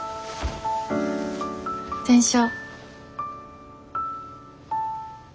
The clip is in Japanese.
電車。